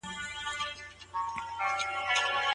غیر دولتي موسسې څه ونډه لري؟